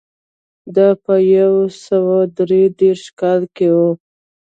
دا په یو سوه درې دېرش کال کې و